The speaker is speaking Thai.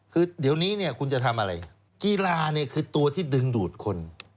คือเดี๋ยวนี้เนี่ยคุณจะทำอะไรกีฬาเนี่ยคือตัวที่ดึงดูดคน